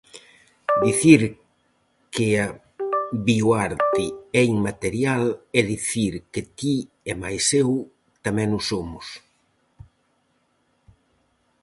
Dicir que a bioarte é inmaterial é dicir que ti e mais eu tamén o somos.